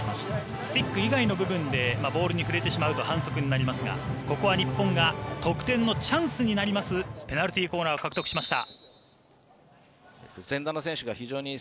スティック以外の部分でボールに触れてしまうと反則になりますがここは日本が得点のチャンスになるペナルティーを獲得しました。